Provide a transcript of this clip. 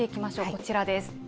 こちらです。